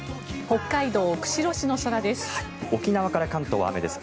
北海道釧路市の空です。